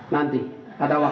nanti ada waktu